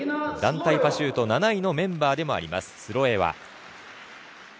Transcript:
団体パシュート７位のメンバーでもあります。